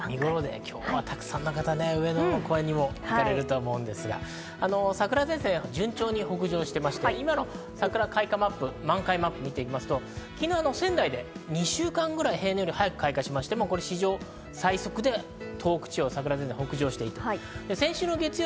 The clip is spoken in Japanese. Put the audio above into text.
今日は沢山の方、上野の公園に行かれると思うんですが、桜前線、順調に北上してまして、桜満開マップを見ていきますと、昨日仙台で２週間くらい平年より早く開花しまして、史上最速で東北も開花しました。